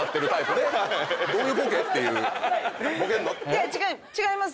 いや違います